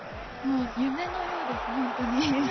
夢のようです、本当に。